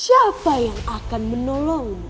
siapa yang akan menolongmu